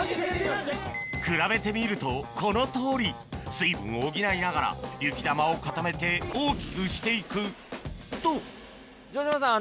比べてみるとこのとおり水分を補いながら雪玉を固めて大きくしていくと城島さん